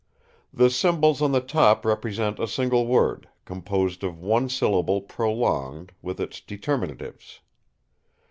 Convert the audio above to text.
The symbols on the top represent a single word, composed of one syllable prolonged, with its determinatives.